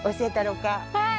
はい！